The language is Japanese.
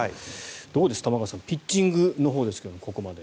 どうです、玉川さんピッチングのほうですがここまで。